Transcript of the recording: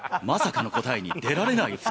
まさかの答えに出られない